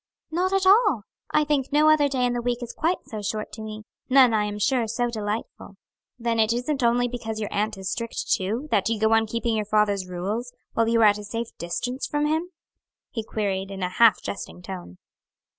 "Not at all; I think no other day in the week is quite so short to me, none, I am sure, so delightful." "Then it isn't only because your aunt is strict too, that you go on keeping your father's rules, while you are at a safe distance from him?" he queried in a half jesting tone.